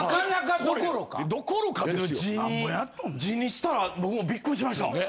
字にしたら僕もビックリしました。